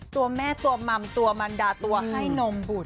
ตัวแม่ตัวมัมตัวมันดาตัวให้นมบุตร